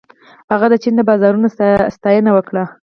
هغه د چین د بازارونو ستاینه وکړه.